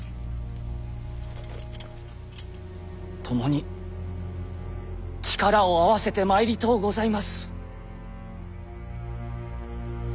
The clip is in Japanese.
ともに力を合わせてまいりとうございます。